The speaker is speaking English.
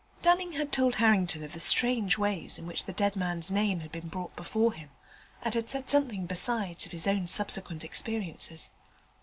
Dunning had told Harrington of the strange ways in which the dead man's name had been brought before him, and had said something, besides, of his own subsequent experiences.